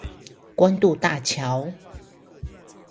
關渡大橋